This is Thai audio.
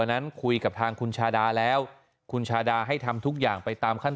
นั้นคุยกับทางคุณชาดาแล้วคุณชาดาให้ทำทุกอย่างไปตามขั้น